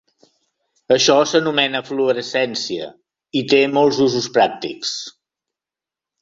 Això s'anomena "fluorescència", i té molts usos pràctics.